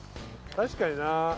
確かにな。